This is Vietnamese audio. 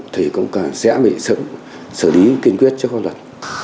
thì cũng sẽ bị xử lý kiên quyết cho con luật